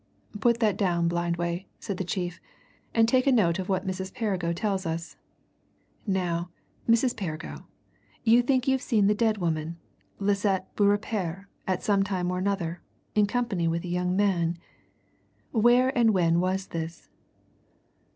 "Put that down, Blindway," said the chief, "and take a note of what Mrs. Perrigo tells us. Now, Mrs. Perrigo, you think you've seen the dead woman, Lisette Beaurepaire, at some time or another, in company with a young man? Where and when was this?"